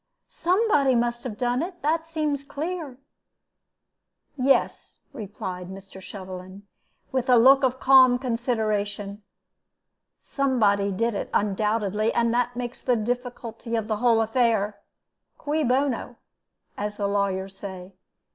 Somebody must have done it; that seems clear." "Yes," replied Mr. Shovelin, with a look of calm consideration; "somebody did it, undoubtedly; and that makes the difficulty of the whole affair. 'Cui bono,' as the lawyers say.